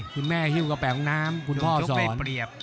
คุณแม่ฮิ้วกระแปะของน้ำคุณพ่อสอน